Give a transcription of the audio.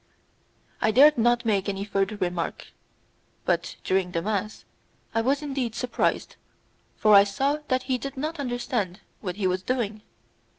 I dared not make any further remark, but during the mass I was indeed surprised, for I saw that he did not understand what he was doing.